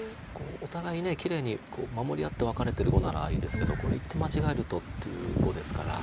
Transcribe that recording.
お互いきれいに守り合ってワカれてる碁ならいいですけどこれ一手間違えるとっていう碁ですから。